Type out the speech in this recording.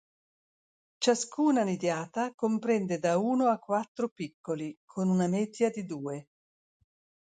Ciascuna nidiata comprende da uno a quattro piccoli, con una media di due.